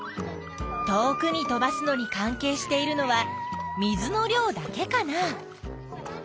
遠くに飛ばすのに関係しているのは水の量だけかな？